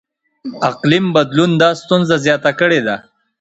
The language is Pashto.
اقلیم بدلون دا ستونزه زیاته کړې ده.